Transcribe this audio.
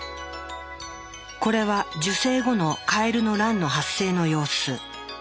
これは受精後のカエルの卵の発生の様子。